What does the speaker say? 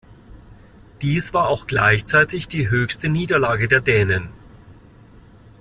Dies war auch gleichzeitig die höchste Niederlage der Dänen.